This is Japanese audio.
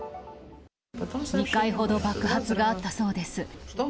２回ほど爆発があったそうです。